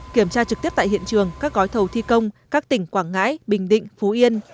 kiểm tra trực tiếp tại hiện trường các gói thầu thi công các tỉnh quảng ngãi bình định phú yên